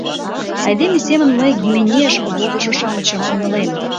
Айдеме семын мый «Гименейыш» возышо-шамычым умылем.